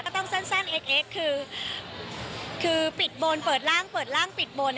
ต้องสั้นเล็กคือปิดบนเปิดร่างเปิดร่างปิดบน